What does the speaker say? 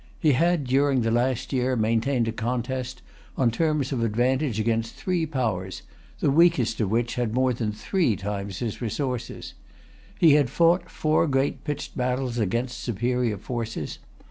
He had, during the last year, maintained a contest, on terms of advantage, against three powers, the weakest of which had more than three times his resources. He had fought[Pg 315] four great pitched battles against superior forces.